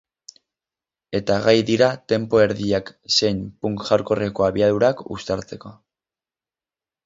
Eta gai dira tempo erdiak zein punk-hardcoreko abiadurak uztartzeko.